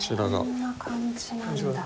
こんな感じなんだ。